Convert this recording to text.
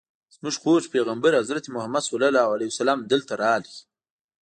زموږ خوږ پیغمبر حضرت محمد صلی الله علیه وسلم دلته راغی.